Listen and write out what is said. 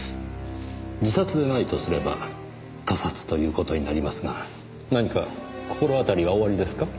自殺でないとすれば他殺という事になりますが何か心当たりがおありですか？